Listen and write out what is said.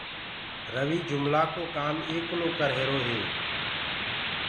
رويٚ جُملآنٚ ڪو ڪآم ايڪلو ڪرريهرو هي